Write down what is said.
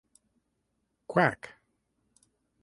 Quack!